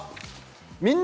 「みんな！